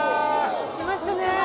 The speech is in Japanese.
きましたねぇ。